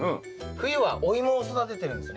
冬はお芋を育ててるんですね。